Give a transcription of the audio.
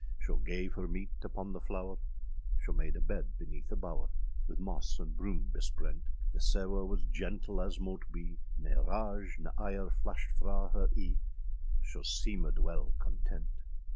Scho gav her meete upon the flower; [Scho made a bed beneath a bower, With moss and broom besprent; The sewe was gentle as mote be, Ne rage ne ire flashed fra her eâe, Scho seemèd wele content.